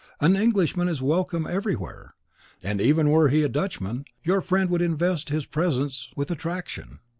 An Englishman is welcome everywhere; and even were he a Dutchman, your friendship would invest his presence with attraction.